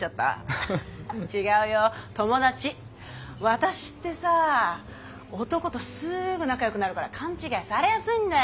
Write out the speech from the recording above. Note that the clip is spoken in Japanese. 私ってさ男とすぐ仲よくなるから勘違いされやすいんだよ。